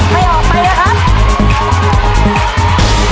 ไม่ออกไปนะครับ